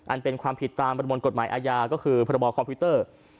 เป็นความผิดตามประมวลกฎหมายอาญาก็คือพรบคอมพิวเตอร์